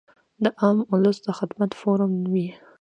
د عام اولس د خدمت فورم وي -